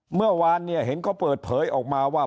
เมื่อวานเนี่ยเห็นเขาเปิดเผยออกมาว่า